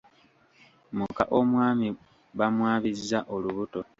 Muka omwami bamwabizza olubuto.